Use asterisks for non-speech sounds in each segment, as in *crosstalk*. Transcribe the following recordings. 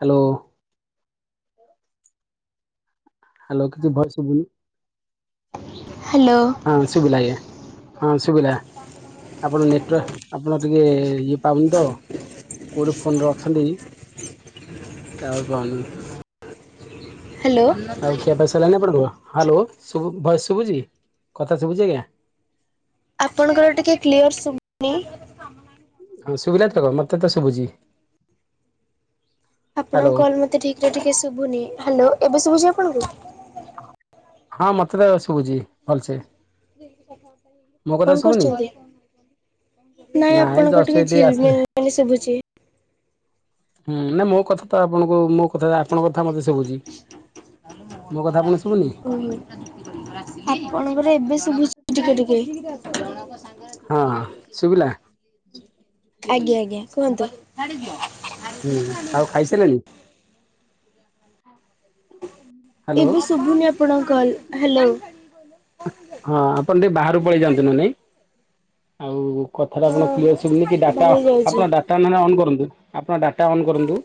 Hello. Hello କିଛି voice Subuddhi. *inaudible* ହଁ ଶୁଭିଲା ଆଜ୍ଞା ହଁ ଶୁଭିଲା ଆପଣ ନେଟୱର୍କ ଆପଣ ଟିକେ ଇଏ ପାଉନି ତ କୋଉଠି ଫୋନ ରେ ଅଛନ୍ତି। ଟୱର ପାଉନି ଆଉ ଖିଆ ପିଆ ସରିଲାଣି ଆପଣଙ୍କ ର ହାଲୋ ଭଏସ ଶୁଭୁଛି କଥା ଶୁଭୁଛି ଆଜ୍ଞା। ଆପଣଙ୍କର ଟିକେ କ୍ଲିଅର ଶୁଭନି। ହଁ ଶୁଭିଲା ତ? ମୋତେ ତ ଶୁଭୁଚି। ଆପଣଙ୍କ କଲ୍ ମୋତେ ଠିକରେ ଟିକେ ଶୁଭୁନି। ହ୍ୟାଲୋ ଏବେ ଶୁଭୁଛି ଆପଣଙ୍କୁ? ହଁ ମୋତେ ତ ଶୁଭୁଚି ଭଲସେ। ମୋ କଥା କଣ ଶୁଭୁନି କରୁଚନ୍ତି? ନାଇଁ ଆପଣଙ୍କ ଜଷ୍ଟ ଟିକେ ଏଇଠି ଆସିଲି ଝିଲମିଲ *inaudible* ଶୁଭୁଛି। ହୁଁ ନା ମୋ କଥା ତ, ଆପଣଙ୍କୁ ମୋ କଥା, ଆପଣଙ୍କ କଥା ମୋତେ ଶୁବୁଚି। ମୋ କଥା ଆପଣଙ୍କୁ ଶୁବୁନି? ଆପଣଙ୍କର ଏବେ ଶୁଭୁଚି ଟିକେ ଟିକେ। ହଁ ଶୁବିଲା? ଆଜ୍ଞା, ଆଜ୍ଞା, କୁହନ୍ତୁ। ହଁ, ଆଉ ଖାଇସାଲଣି? ଏବେ ଶୁଭୁନି ଆପଣଙ୍କ କଲ୍। ହ୍ୟାଲୋ। ହଁ ଆପଣ ଟିକେ ବାହାରକୁ ପଳେଇ ଯାଆନ୍ତୁ ନନେ। ଆଉ କଥାଟା ଆପଣ କ୍ଲିୟର୍ ଶୁବୁନି ହଁ କି, ଡାଟା ଭାଙ୍ଗି ଯାଉଛି ଆପଣ ଡାଟା ନହେଲେ ଅନ୍ କରନ୍ତୁ। ଆପଣ ଡା ଟା ଅନ୍ କରନ୍ତୁ।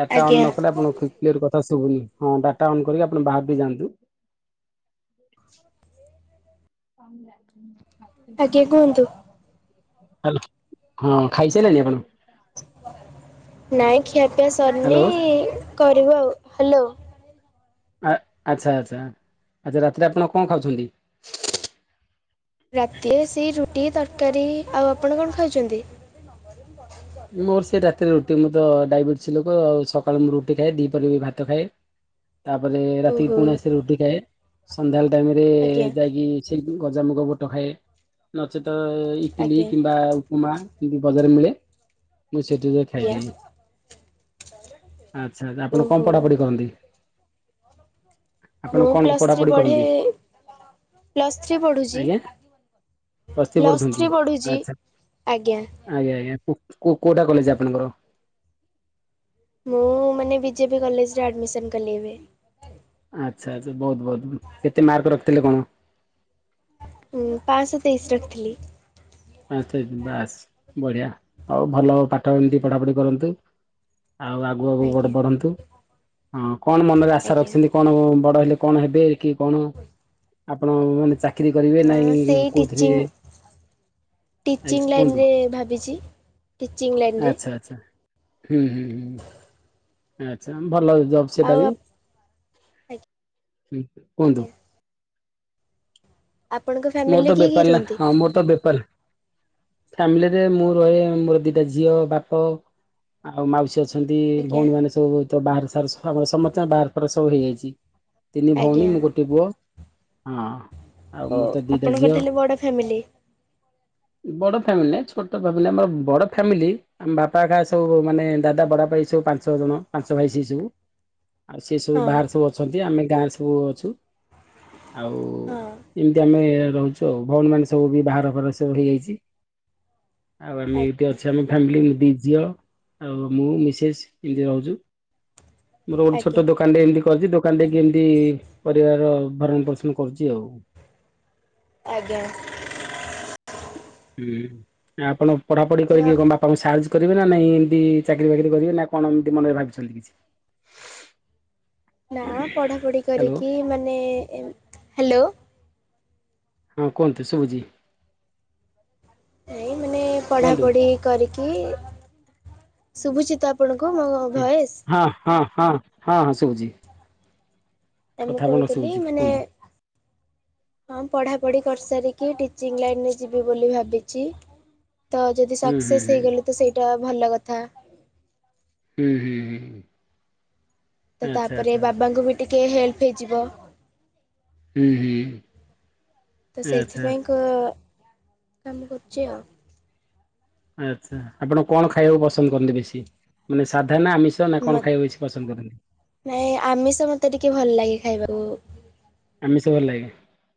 ଡାଟା ଅନ୍ ଆଜ୍ଞା ନ କଲେ ଆପଣଙ୍କ କି-କ୍ଲିୟର୍ କଥା ଶୁଭୁନି। ହଁ ଡାଟା ଅନ୍ କରିକି ଆପଣ ବାହାରକୁ ବି ଯାଆନ୍ତୁ। ହ *inaudible* ଆଜ୍ଞା କୁହନ୍ତୁ। ହାଲୋ, ହଁ ଖାଇ ସାଇଲେଣି ଆପଣ? ନାଇଁ ଖିଆ ପିଆ ସରିନି। ହାଲୋ କରିବୁ ଆଉ। ହାଲୋ ଆ, ଆଚ୍ଛା, ଆଚ୍ଛା, ଆଚ୍ଛା ରାତିରେ ଆପଣ କଣ ଖାଉଛନ୍ତି? ରାତିରେ ସେଇ ରୁଟି ତରକାରୀ। ଆଉ ଆପଣ କଣ ଖାଉଚନ୍ତି? ମୋର ସେଇ ରାତିରେ ରୁ କି ମୁଁ ତ ଡାଇବେଟିସ୍ ଲୋକ। ଆଉ ସକାଳୁ ମୁଁ ରୁଟି ଖାଏ। ଦିପରର ବି ଭାତ ଖାଏ। ତାପରେ ରାତିକି ଓହୋ ପୁଣି ଆସି ରୁଟି ଖାଏ। ସନ୍ଧ୍ୟାବେଳେ ଟାଇମ୍ ରେ ଆଜ୍ଞା ଯାଇକି ସେ ଗଜାମୁଗ ବୁଟ ଖାଏ। ନଚେତ ଇଟିଲି ଆଜ୍ଞା କିମ୍ବା ଉପମା *unintelligible* ବଜାରେ ମିଳେ। ମୁଁ ସେଠି ଯା ଆଜ୍ଞା ଖାଇଦେଇ। ଆଚ୍ଛା ଆପଣ ଓହୋ। କଣ ପଢାପଢି କରନ୍ତି? ମୁଁ ଆପଣ କଣ ପ୍ଲସ୍ ଥ୍ରୀ ପଢାପଢି ପଢ଼େ କରନ୍ତି? ପ୍ଲସ୍ ଥ୍ରୀ ପଢ଼ୁଛି ଆଜ୍ଞା? ପ୍ଲସ୍ ଥ୍ରୀ ପଢୁଛନ୍ତି। ଆଚ୍ଛା, ଆଜ୍ଞା ଆଜ୍ଞା, ଆଜ୍ଞା କୁ କୋ କୋଉଟା କଲେଜ୍ ଆପଣଙ୍କର? ମୁଁ ମାନେ ବିଜେପି କଲେଜ୍ ରେ ଆଡମିସନ୍ କଲି ଏବେ। ଆଚ୍ଛା ଆଚ୍ଛା ବହୁତ ବହୁତ କେତେ ମାର୍କ ରଖିଥିଲେ କଣ? ଉଁ ପାଁଶହ ତେଇଶି ରଖିଥିଲି। ଆଚ୍ଛା ବାସ୍ ବଢିଆ ଆଉ ଭଲ ପାଠ ଏମିତି ପଢାପଢି କରନ୍ତୁ। ଆଉ ଆଗକୁ ଆଗକୁ ଆଜ୍ଞା ବ-ବଢନ୍ତୁ। ହଁ କଣ ମନରେ ଆଶା ଆଜ୍ଞା। ରଖିସନ୍ତି? କଣ ବଡ ହେଲେ କଣ ହେବେ? କି କଣ? ଆପଣ ମାନେ ଚା କିରି କରିବେ ହଁ ନାଇଁ ସେଇ ଟିଚିଂ କୋଉଥିରେ ଆଜ୍ଞା ଟିଚିଂ ଲାଇନ୍ କୁହନ୍ତୁ? ରେ ଭାବିଚି। ଟିଚିଂ ଲାଇନ୍ ରେ। ଆଚ୍ଛା ଆଚ୍ଛା ହୁଁ, ହୁଁ, ହୁଁ, ଆଚ୍ଛା ଭଲ ଜବ୍ ଆଉ ସେଟା ବି। ଆପ- ହୁଁ, କୁହନ୍ତୁ। ଆଜ୍ଞା। ଆପଣଙ୍କ ମୋର ଫ୍ୟାମିଲିରେ ତ କିଏ କିଏ ବେପାର ନା। ରୁହନ୍ତି ଆମର ତ ବେପାର ଫ୍ୟାମିଲି ରେ ମୁଁ ରହେ ମୋର ଦିଟା ଝିଅ ବାପ ଆଉ ମାଉସୀ ଅଛ ଛନ୍ତି ଆଜ୍ଞା ଭଉଣୀମାନେ ସବୁ ତ ବାହାର ସାରୁସ। ଆମର ସମସ୍ତଙ୍କ ବାହାର ଫାର ସବୁ ହେଇଯାଇଚି। ତିନି ଭଉଣୀ ଆଜ୍ଞା। ମୁଁ ଗୋଟେ ପୁଅ। ହଁ ଆଉ ହଉ ମୁଁ ଆପଣଙ୍କର ତାହଲେ ବଡ ଫ୍ୟାମିଲି? ହ *inaudible* ବଡ ଫ୍ୟାମିଲି ନାଇ ଛୋଟ ଫ୍ୟାମିଲି। ଆମର ବଡ ଫ୍ୟାମିଲି ଆମ ବାପା ଏକା ସବୁ ମାନେ ଦାଦା ବଡବାପା ଏଇ ସ ତ ପାଞ୍ଚ ଜଣ ପାଞ୍ଚ ଭାଇ ସିଏ ସବୁ। ଆଉ ସେ ସବୁ ହଁ ବାହାରେ ସବୁ ଅଛନ୍ତି ଆମେ ଗାଁରେ ସବୁ ଅଛୁ ଆଉ ହଁ ଆମେ ରହୁଛୁ ଆଉ ଭଉଣୀ ମାନେ ସବୁ ବି ବାହାଘର ଫାଘର ସବୁ ହେଇଯାଇଛି। ଆଉ ଆମେ ଆ ଏଇଠି ଅଛୁ ଆମ ଫ୍ୟାମିଲି ଦି ଝିଅ ଆଉ ମୁଁ ମିସେସ ଏମିତି ରହୁଛୁ। ମୋର ଗୋଟେ ଆଜ୍ଞା ଛୋଟ ଦୋକାନ ରଟେ ଏମିତି କରିଛି ଦୋକାନ ଟା ବି ଏମିତି ପରିବାର ଭରଣ ପୋଷଣ କରୁଛି ଆଉ। ଆଜ୍ଞା। ହୁଁ ଆପଣ ପଢାପଢି ତ କରିକି କଣ ଆପ- ବାପାଙ୍କୁ ସାହାଯ୍ୟ କରିବେ ନା ନାଇଁ ଏମତି ଚାକିରି ଫାକିରି କରିବେ ନା କଣ ଏମିତି ମନରେ ଭାବିଛନ୍ତି କିଛି? ନା ପଢାପଢି ହ୍ୟାଲୋ କରିକି ମାନେ ହାଲୋ ହଁ କୁହନ୍ତୁ ଶୁଭୁଛି। ନାଇଁ ମାନେ କୁହନ୍ତୁ। ପଢାପଢି କରିକି ଶୁଭୁଛିତ ଆପଣଙ୍କ? କଣ ଭଏସ? ହଁ ହଁ ହଁ ହଁ ସୁବୁଛି। ନାଇଁ ମୁଁ କଥା ଅପଣଂକ କହୁଥିଲି ଶୁଭୁଛି ମାନେ କୁହନ୍ତୁ। ହଁ ପଢ଼ାପଢ଼ି କରିସାରିକି ଟିଚିଂ ଲାଇନରେ ଯିବି ବୋଲି ଭାବିଛି ତ ଯଦି ହୁଁ ହୁଁ ସକ୍ସେସ୍ ହୁଁ ହେଇଗଲି ତ ସେଇଟା ଭଲ କଥା। ହୁଁ ହୁଁ ହୁଁ। ତ ଆଚ୍ଛା ତାପରେ ଆଚ୍ଛା ବାବାଙ୍କୁ ବି ଟିକେ ହେଲ୍ପ ହେଇଯିବ। ହୁଁ ହୁଁ। ତ ଆଚ୍ଛା। ସେଇଥିପାଇଁ କାମ କରୁଛି ଆଉ। ଆଚ୍ଛା ଆପଣ କଣ ଖାଇବାକୁ ପସନ୍ଦ କରନ୍ତି ବେଶୀ ମାନେ ସା ମତେ ନାଇଁ ଆମିଷ ମତେ ଟିକେ ଭଲ ଲାଗେ ଖାଇବାକୁ। ଆମିଷ ଭଲ ଲାଗେ?